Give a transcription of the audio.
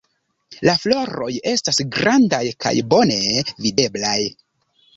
La floroj estas grandaj kaj bone videblaj.